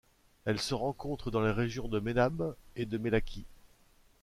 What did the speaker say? Elle se rencontredans les régions de Menabe et de Melaky.